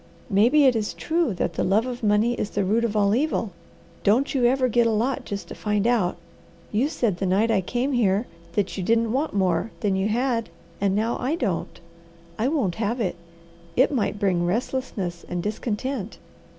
Maybe it is true that the 'love of money is the root of all evil.' Don't you ever get a lot just to find out. You said the night I came here that you didn't want more than you had and now I don't. I won't have it! It might bring restlessness and discontent.